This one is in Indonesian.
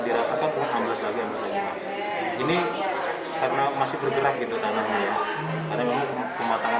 diratakan enam belas lagi ambles lagi ini karena masih bergerak gitu tanahnya ya karena memang pematangan